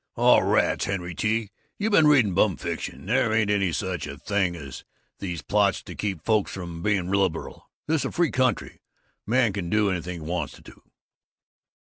"Oh, rats, Henry T., you been reading bum fiction. There ain't any such a thing as these plots to keep folks from being liberal. This is a free country. A man can do anything he wants to."